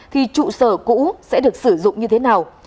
thì trụ sở cũ sẽ được sử dụng như thế nào